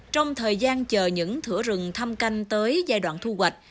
trong thời gian chờ những thửa rừng thăm canh tới giai đoạn thu hoạch